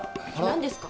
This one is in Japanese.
何ですか？